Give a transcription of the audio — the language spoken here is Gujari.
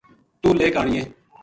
تو لے کے آنیے